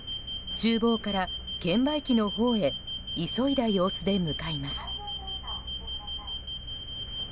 厨房から券売機のほうへ急いだ様子で向かいます。